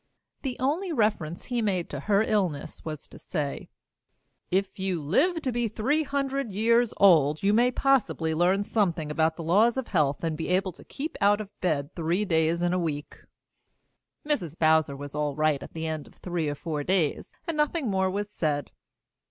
The only reference he made to her illness was to say: "If you live to be three hundred years old, you may possibly learn something about the laws of health and be able to keep out of bed three days in a week." Mrs. Bowser was all right at the end of three or four days, and nothing more was said.